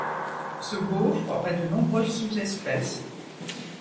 Ce gaufre aurait de nombreuses sous espèces.